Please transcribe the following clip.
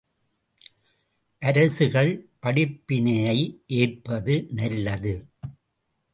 அரசுகள் படிப்பினையை ஏற்பது நல்லது.